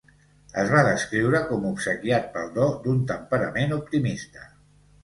Es va descriure com obsequiat pel do d'un temperament optimista.